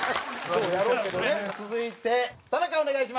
続いて田中お願いします。